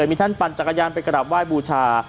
เกิดมีท่านปั่นจักรยานไปกระดับว่ายบูชา